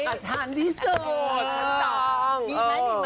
บอกละฉันดีเซอร์